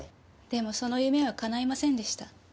でもその夢はかないませんでした。